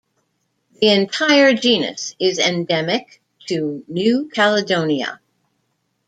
The entire genus is endemic to New Caledonia.